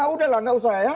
udah lah nggak usah ya